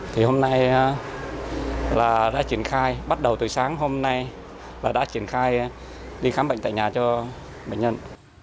thì hôm nay là đã triển khai bắt đầu từ sáng hôm nay là đã triển khai đi khám bệnh tại nhà cho bệnh nhân